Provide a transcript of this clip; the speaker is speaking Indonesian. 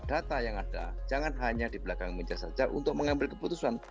data yang ada jangan hanya di belakang meja saja untuk mengambil keputusan